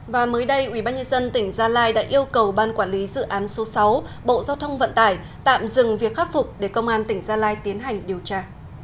và mới đây ubnd tỉnh gia lai đã yêu cầu ban quản lý dự án số sáu bộ giao thông vận tải tạm dừng việc khắc phục để công an tỉnh gia lai tiến hành điều tra